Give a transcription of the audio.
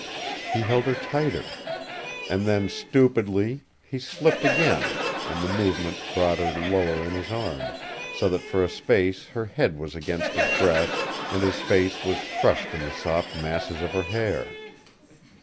He held her tighter; and then stupidly, he slipped again, and the movement brought her lower in his arms, so that for a space her head was against his breast and his face was crushed in the soft masses of her hair.